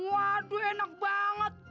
waduh enak banget